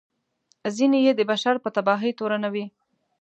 ځینې یې د بشر په تباهي تورنوي.